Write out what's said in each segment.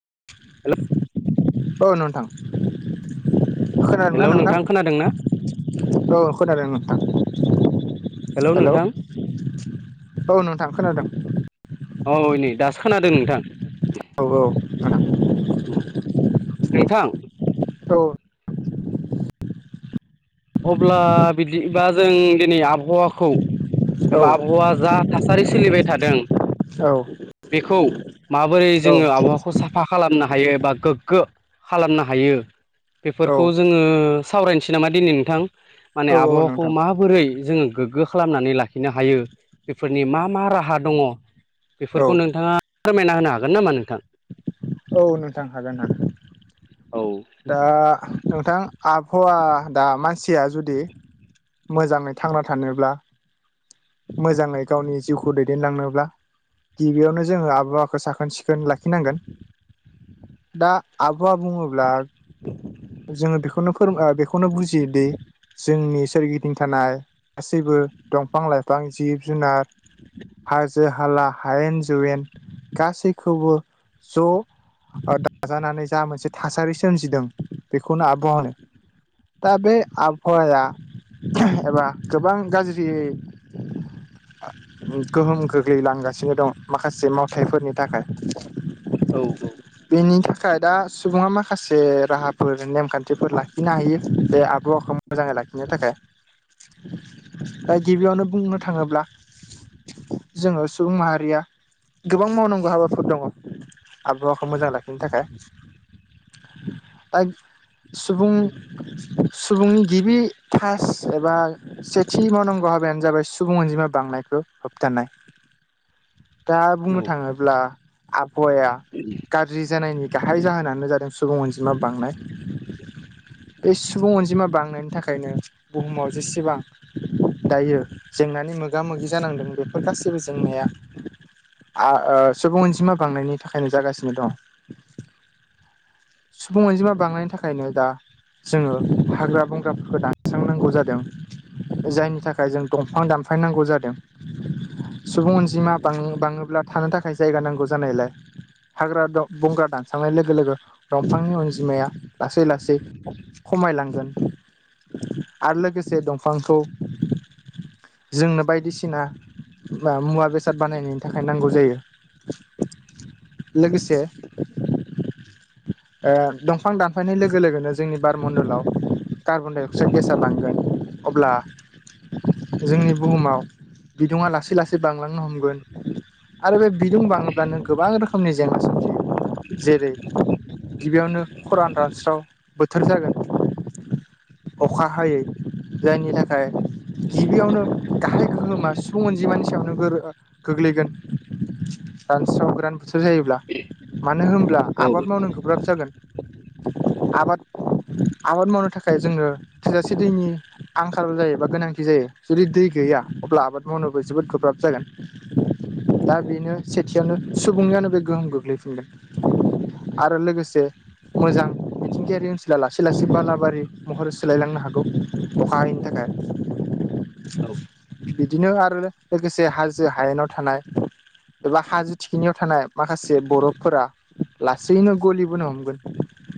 [unintelligible] औ नोंथां खोनादों ना हेलौ नोंथां? खोनादों ना औ खोनादों नोंथां हेलौ औ नोंथां खोनादों। औइ नै दासो खोनादों नोंथां। औ औ गोनां नोंथां औ अब्ला बिदिबा जों दिनै आबहावाखौ नोंथां औ एबा आबहावा जा थासारि सोलिबाय थादों। औ बेखौ माबोरै जोङो आबहावाखौ साफा खालामनो हायो एबा गोग्गो खालामनो हायो औ बेफोरखौ जोङो सावरायनोसै नामा दिनै नोंथां माने औ औ आबहावाखौ नोंथां मा बोरै जोङो गोग्गो खालामनानै लाखिनो हायो बेफोरनि मा मा राहा दङ? औ बेफोरखौ नोंथाङा फोरमायना होनो हागोन नामा नोंथां? औ नोंथां हागोन नागोन। औ दा नोंथां आबहावा दा मानसिया जुदि मोजाङै थांना थानोब्ला मोजाङै गावनि जिउखौ दैदेनलांनोब्ला गिबियावनो जोङो आबहावाखौ साखोन सिखोन लाखिनांगोन। दा आबहावा बुङोब्ला [inaudible] जोङो बेखौनो फोर ओ बेखौनो बुजियो दि जोंनि सोरगिदिं थानाय गासैबो दंफां लाइफां जिब जुनार हाजो हाला हायेन जौवेन गासैखौबो ज' ओदाजानानै जा मोनसे थासारि सो सोमजिदों बेखौनो आबहावा होनो दा बे आबहावाया एबा गोबां गाज्रि गोहोम गोग्लैलांगासिनो दं माखासे मावथायफोरनि थाखाय औ बेनि थाखाय दा सुबुङा माख खासे राहाफोर नेमखान्थिफोर लाखिनो हायो बे आबहावाखौ मोजाङै लाखिनो थाखाय दा गिबियावनो बुंनो थाङोब्ला जोङो सुबुं माहारिया गोबां मावनांगौ हाबाफोर दङ आबहावाखौ मोजां लाखिनो थाखाय दाइग सुबुं सुबुंनि गिबि थास एबा सेथि मावनांगौ हाबायानो जाबाय सुबुं अनजिमा बांनायखौ होबथानाय दा बुंनो थांङोब्ला आबहावाया गाज्रि जानायनि गाहाय जाहोनानो जादों सुबुं अनजिमा बांनाय बे सुबुं अनजिमा बांनायनि थाखायनो बुहुमाव जेसेबां दायो जेंनानि मोगा मोगि जानांदों बे बेफोर गासिबो जेंनाया आ ओ सुबुं अनजिमा बांनायनि थाखायनो जागासिनो दं सुबुं अनजिमा बांनायनि थाखायनो दा जोंङो हाग्रा बंग्राफोरखौ दानस्रांनांगौ जादों जायनि थाखाय जों दंफां दानफाय नांगौ जादों सुबुं अनजिमा बां बांङोब्ला थानो थाखाय जायगा नांगौ जानायलाय हाग्रा द बंग्रा दानस्रांनाय लोगो लोगो दंफांनि अनजिमाया लासै लासै खमायलांगोन आरो लोगोसे दंफांखौ जोंनो बायदिसिना मुवा बेसाद बानायनायनि थाखाय नांगौ जायो । लोगोसे ओ दंफां दानफायनाय लोगो लोगोनो जोंनि बारमणडलाव कार्बन डाइ अक्साइड गेस आ बांगोन अब्ला जोंनि बुहुमाव बिदुङा लासै लासै बांलांनो हमगोन। आरो बे बिदुं बांङोब्लानो गोबां रोखोमनि जेंना सोमजियो जेरै - गिबियावनो खरान रानस्राव बोथोर जागोन अखा हायै- जायनि थाखाय गिबियावनो गाहाय गोहोमा सुबुं अनजिमानि सायावनो गोर ओ गोग्लैगोन रानस्राव गोरान बोथोर जायोब्ला । मानो होनब्ला औ आबाद मावनो गोब्राब जागोन। आबाद आबाद मावनो थाखाय जोंनो थोजासे दैनि- आंखाल जायोबा गोनांथि जायो जुदि दै गैया अब्ला आबाद मावनोबो जोबोद गोब्राब जागोन दा बेनो सेथियावनो सुबुंनियावनो बे गोहोम गोग्लैफिनगोन आरो लोगोसे मोजां मिथिंगायारि ओनसोला लासै लासै बालाबारि महरै सोलायलांनो हागौ अखा हायैनि थाखाय औ बिदिनो आरो लोगोसे हाजो हायेनाव थानाय एबा हाजो थिखिनियाव थानाय माखासे बर'बफोरा लासैनो गलिबोनो हमगोन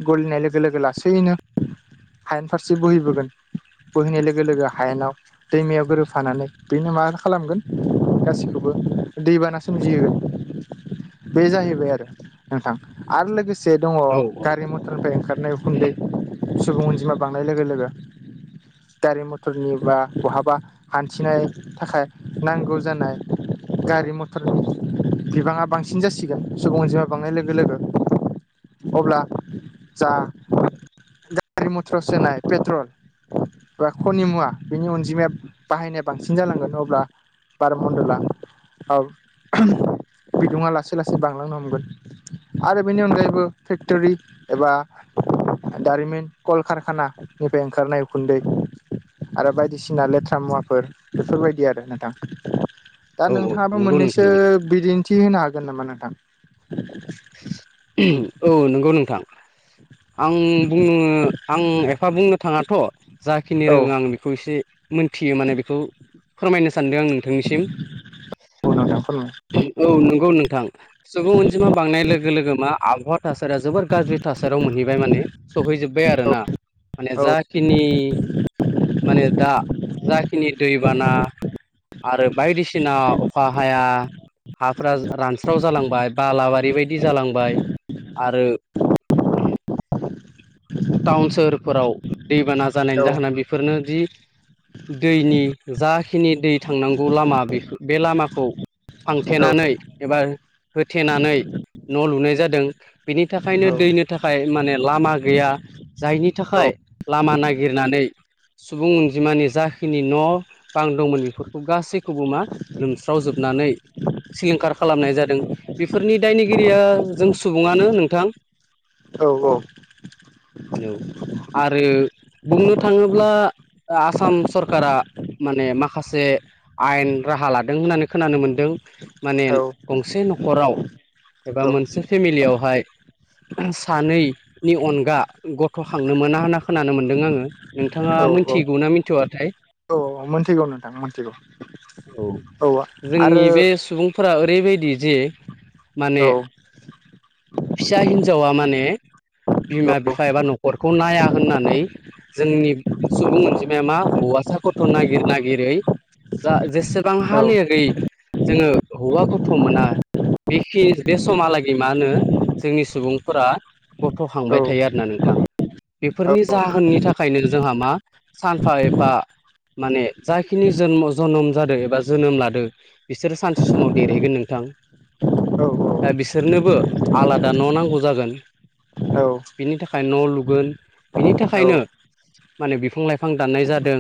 गलिनाय लोगो लोगो लासैनो हायेन फारसे बोहैबोगोन बोहैनाय लोगो लोगो हायेनाव दैमायाव गोरोबफानानै बेनो मा खालामगोन गासिखौबो दैबाना सोमजियो बे जाहैबाय आरो नोंथां आरो लोगोसे दङ औ गारि मथ हटनिफ्राय ओंखारनाय उखुन्दै सुबुं अनजिमा बांनाय लोगो लोगो गारि मथरनि बा बहाबा- हान्थिनाय थाखाय नांगौ जानाय - गारि मथरनि बिबाङा बांसिन जासिगोन सुबुं जमा बांनाय लोगो लोगो। अब्ला जा गारि मटर सोनाइ पेट्रल एबा खनि मुवा बेनि अनजिमाया बाहायनाया बांसिन जालांगोन अब्ला बार मन्दला बिदुङा लासै लासै बांलांनो हमगोन- आरो बेनि अनगायैबो फेक्ट'रि एबा दारिमिन कलकारखानानिफ्राय ओंखारनाय उखुन्दै आरो बायदिसिना लेथ्रा मुवाफोर बेफोरबायदि आरो नोंथां दा औ नोंथाङाबो नंगौ नोंथां मोननैसो नंगौ बिदिन्थि होनो हागोन नामा नोंथां? औ नोंगौ नोंथां आं बुंङो आं एफा बुंनो थाङाथ' जाखिनि औ रोङो आं बिख खौ एसे मोनथियो माने बेखौ फोरमायनो सानदों आं नोंथांनिसिम औ नोंथां फोरमाइनो हागोन। औ नंगौ नोंथां। सुबुं अनजिमा बांनाय लोगो लोगो मा आबहावा थासारिया जोबोर गाज्रि थासारियाव मोनहैबाय माने- सहैजोब्बाय आरोना माने औ जाखिनि माने दा जाखिनि दैबाना आरो बायदिसिना अखा हाया हाफोरा रानस्राव जालांबाय बालाबारि बायदि जालांबाय आरो [unintelligible] [inaudible] टाउन सोहोरफोराव दैबाना औ जानायनि जाहोना बेफोरनो जि दैनि जाखिनि दै थांनांगौ लामा बेफु बे लामाखौ औ फांथेनानै एबा होथेनानै न' लुनाय जादों बेनि थाखायनो दैनो थाखाय माने लामा गैया जायनि थाखाय लामा नागिरनानै सुबुं अनजिमानि जाखिनि न' बां दंमोन बेफोरखौ गासै खौबो मा लोमस्रावजोबनानै सिलिंखार खालामनाय जादों बेफोरनि दायनिगिरिया जों सुबुङानो नोंथां औ-औ नौ आरो बुंनो थाङोब्ला आसाम सरकारा माने माखासे आयेन राहा लादों होननानै खोनानो मोनदों। माने गंसे न'खराव एबा मोनसे फेमिलियावहाय सानैनि अनगा गथ'खांनो मोना होनना खोनानो मोनदों आङो नोंथाङा औ औ मिथिगौ ना मिथिवाथाय? औ मोनथिगौ नोंथां मोनथिगौ औ औ जोंनि आरो बे सुबुंफोरा ओरैबायदि जे माने फिसा हिनजावा माने बिमा बिफा एबा न'खरखौ नाया होननानै जोंनि सुबुं अनजिमाया मा हौवासा गथ' नागिर नागिरै जा जेसेबां हालेगै जोङो हौवा गथ' मोना बेखि बे समहालागै मा होनो जोंनि सुबुंफोरा गथ' खांबाय थायो आरो ना नोंथां । बेफोरनि जाहोननि थाखायनो जोंहा मा सानफा एफा माने जाखिनि जोनम' जोनम जादो एबा जोनोम लादो। बिसोर सानसे समाव देरहैगोन नोंथां। दा बिसोरनोबो आलादा न' नांगौ जागोन। बिनि थाखाय न' लुगोन बिनि थाखायनो माने बिफां लाइफां दाननाय जादों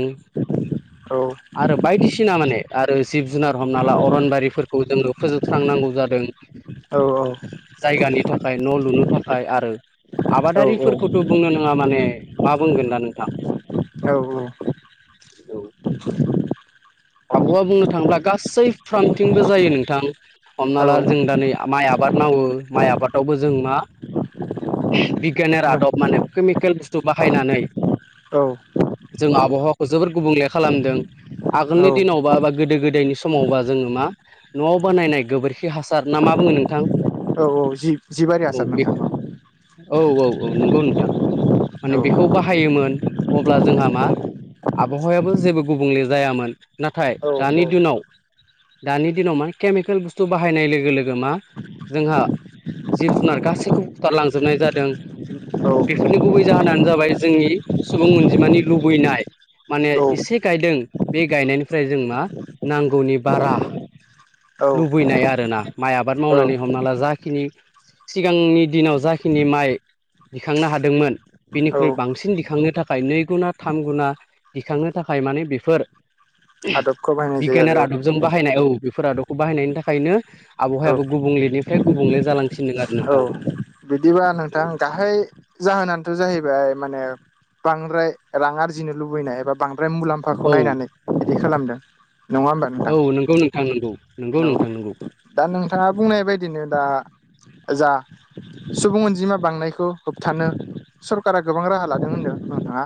आरो बायदिसिना माने आरो जिब जुनार हमना ला अरनबारिफोरखौ जोङो फोजोबस्रांनांगौ जादों औ औ । जायगानि थाखाय न' लुनो थाखाय आरो आबादारिफोरखौथ' बुंनो नङा माने मा बुंगोन दा नोंथां औ औ । आबहौआ बुंनो थाङोब्ला गासै फार्मथिंबो जायो नोंथां हमना ला जों दा नै माइ आबाद मावो माइ आबादावबो जों मा बिगियानेर आदब माने केमिकेल बुस्थु बाहायनानै जों आबहावाखौ जोबोर गुबुंले खालामदों आगोलनि दिनावबा बा गोदो गोदायनि समावबा जोङो मा न'आव बोनायनाय गोबोरखि हासार ना मा बुङो नोंथां? औ औ जि जिबारि आसार नोंथां । औ-औ-औ नंगौ नोंथां । माने औ बेखौ बाहायोमोन अब्ला जोंहा मा आबहावायाबो जेबो गुबुंले जायामोन नाथाय औ दानि दोनाव दानि दिनाव मा केमिकेल बुस्थु बाहायनाय लोगो लोगो मा जोंहा जिब जुनार गासैखौबो बुथारलांजोबनाय जादों बेफोरनि गुबै जाहोनानो जाबाय जोंनि सुबुं अनजिमानि लुबैनाय माने एसे गायदों बे गायनायनिफ्राय जों मा नांगौनि बारा औ लुबैनाय आरोना माइ आबाद औ मावनानै हमना ला जाखिनि सिगांनि दिनाव जाखिनि माइ दिखांनो हादोंमोन बेनिख्रुइ औ बांसिन दिखांनो थाखाय नै गुना थाम गुना दिखांनो थाखाय माने बेफोर आदबखौ बाहायनाय जायो बिगियान आरो आदब नाय औ बेफोर आदबखौ बाहायनायनि थाखायनो औ आबहावायाबो गुबुंलेनिफ्राय गुबुंले जालांसिनदों आरो औ नोंथां बिदिबा नोंथां गाहाय जाहोनानोथ' जाहैबाय माने बांद्राय रां आरजिनो लुबैनाय एबा बांद्राय मुलाम्फा आफाखौ औ नायनानै बिदि खालामदों नङा होमबा औ नोंथां नोंगौ नोंथां नंगौ नोंगौ औ नोंथां नंगौ दा नोंथाङा बुंनाय बायदिनो दा जा सुबुं अनजिमा बांनायखौ होबथानो सरकारा गोबां राहा लादों होनदों नोंथाङा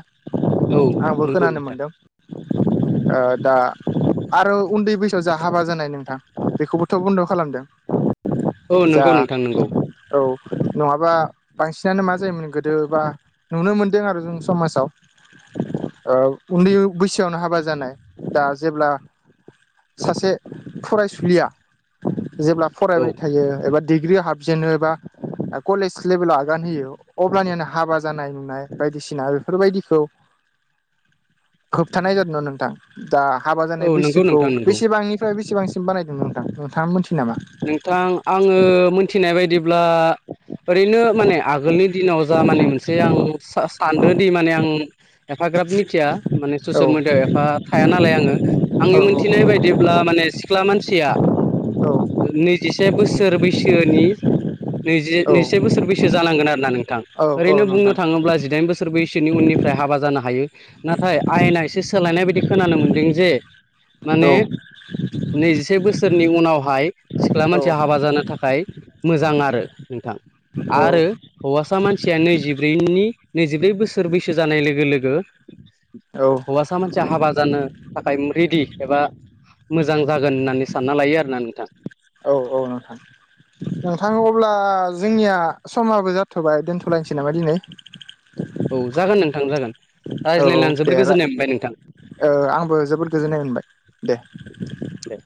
औ आंबो नंगौ खोनानो नोंथां मोनदों ओ दा आरो उन्दै बैसोआव जा हाबा जानाय नो थां बेखौबोथ' बन्द' खालामदों औ जा नोंगौ नोंथां नोंगौ औ नङाबा बांसिनानो मा जायोमोन गोदो बा नुनो मोनदों आरो जों समाजाव उन्दै बैसोआवनो हाबा जानाय दा जेब्ला सासे फरायसुलिया जेब्ला औ फरायबाय थायो एबा दिडिग्रियाव हाबजेनोबा कलेज लेभेलाव आगान होयो अब्लानियानो हाबा जानाय नुनाय बायदिसिना बेफोरबायदिखौ होबथानाय जादोंमोन नोंथां दा हाबा जानाय औ नंगौ बैसोखौ नोंथां नंगौ बेसेबांनिफ्राय बेसेबांसिम बानायदोंमोन नोंथां नोंथाङा मोनथियो नामा? नोंथां आङो मिथिनाय बायदिब्ला ओरैनो माने आगोलनि दिनाव जा माने मोनसे आं सानदों दि माने आं एफाग्राब मिथिया माने औ ससियेल मिडियाआव एफा थाया नालाय आङो आंनि औ औ मिथिनाय बायदि ब्ला माने सिख्ला मानसिया औ नैजिसे बोसोर बैसोनि नैजि औ नैजिसे बोसोर बैसो जानांगोन आरोना नों थां औ औ ओरैनो बुंनो नोंथां थाङोब्ला जिदाइन बोसोर बैसोनि उननिफ्राय हाबा जानो हायो नाथाय आयेना एसे सोलायनाय बायदि खोनानो मोनदों जे माने औ नैजिसे बोसोरनि उनावहाय सिख्ला औ मानसिया हाबा जानो थाखाय मोजां आरो नोंथां आरो हौवासा मानसिया नैजिब्रैनि नैजिब्रै बोसोर बैसो जानाय लोगो लोगो औ हौवासा मानसिया हाबा जानो थाखाय रेडि एबा मोजां जागोन होननानै सानना लायो आरोना नोंथां औ औ नोंथां नोंथां अब्ला जोंनिया समाबो जाथ'बाय दोन्थ'लायनोसै नामा दिनै [inaudible] औ जागोन नोंथां जागोन औ औ रायज्लायनानै दे जोबोद रा गोजोननाय मोनबाय नोंथां ओ आंबो जोबोद गोजोननाय मोनबाय दे दे